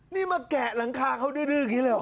นี่มาแกะหลังคาเขาดื้ออย่างนี้เลยเห